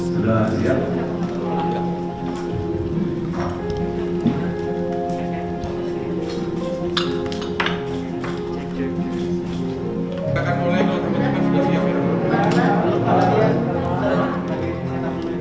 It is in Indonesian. ada yang akan menyampaikan